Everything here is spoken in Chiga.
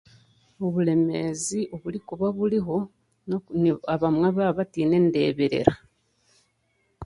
Obureemeezi oburikuba buriho abamwe baabataine ndeberera